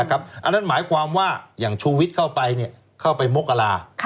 อันนั้นหมายความว่าอย่างชูวิทย์เข้าไปเข้าไปมกรา